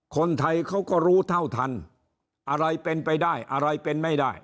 คนไทยเขาก็รู้เท่าทันอะไรเป็นไปได้อะไรเป็นไม่ได้